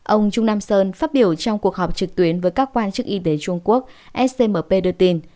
ông trung nam sơn phát biểu trong cuộc họp trực tuyến với các quan chức y tế trung quốc scmp đưa tin